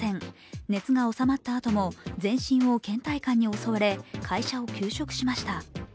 熱がおさまったとも全身をけん怠感に襲われ会社を休職しました。